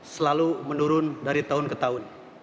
selalu menurun dari tahun ke tahun